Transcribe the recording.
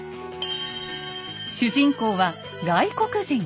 主人公は外国人。